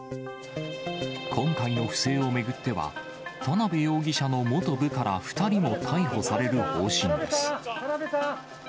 今回の不正を巡っては、田辺容疑者の元部下ら２人も逮捕される方針です。